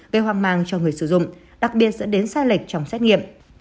gây hoang mang cho người sử dụng đặc biệt dẫn đến sai lệch trong xét nghiệm